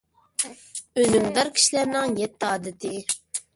ئۈنۈمدار كىشىلەرنىڭ يەتتە ئادىتى.